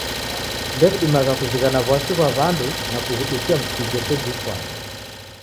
Ndewidimagha kuzighana w'asi ghwa w'andu na kughudukia msigo seji ifwane.